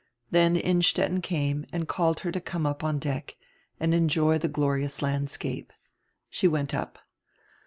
Then Innstetten came and called to her to come up on deck and enjoy die glorious landscape. She went up.